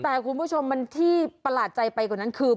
แต่คุณผู้ชมมันที่ประหลาดใจไปกว่านั้นคือ